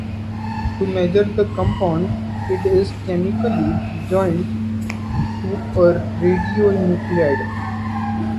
To measure the compound it is chemically joined to a radionuclide.